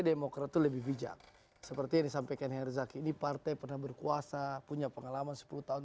demokrat itu lebih bijak seperti yang disampaikan herzaki di partai pernah berkuasa punya pengalaman sepuluh tahun